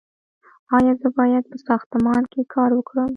ایا زه باید په ساختمان کې کار وکړم؟